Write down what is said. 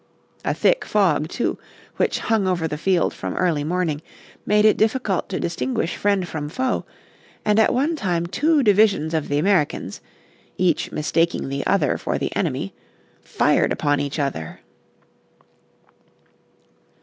A thick fog, too, which hung over the field from early morning, made it difficult to distinguish friend from foe, and at one time two divisions of the Americans, each mistaking the other for the enemy, fired upon each other.